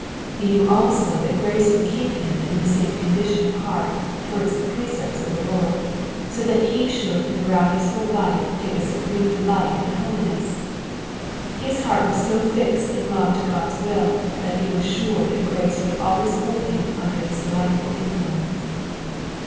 He knew also that grace would keep him in the same condition of heart towards the precepts of the Lord, so that he should throughout his whole life take a supreme delight in holiness. His heart was so fixed in love to Qod's will that he was sure that grace would always hold him under its delightful influence.